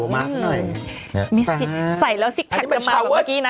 มิสติดใส่แล้วซิกพักจะมาเหมือนเมื่อกี้นะ